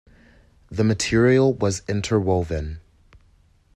The material was interwoven.